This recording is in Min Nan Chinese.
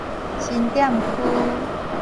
新店區